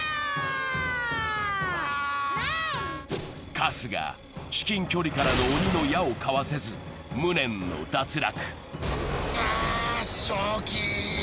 春日、至近距離からの鬼の矢をかわせず、無念の脱落。